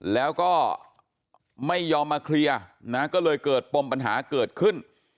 แล้วก็ไม่ยอมมาเคลียร์นะก็เลยเกิดปมปัญหาเกิดขึ้น